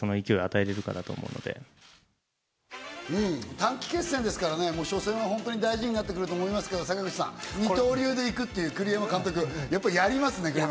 短期決戦ですからね、初戦は本当に大事になってくると思いますけど、坂口さん、二刀流でいくという栗山監督、やっぱやりますね。